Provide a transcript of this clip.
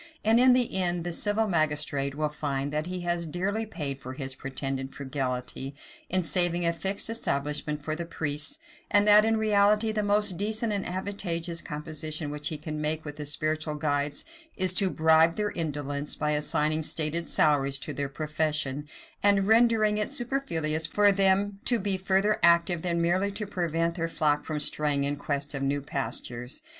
And, in the end, the civil magistrate will find, that he has dearly paid for his pretended frugality, in saving a fixed establishment for the priests; and that in reality the most decent and advantageous composition which he can make with the spiritual guides is to bribe their indolence, by assigning stated salaries to their profession, and rendering it superfluous for them to be further active than merely to prevent their flock from straying in quest of new pastures.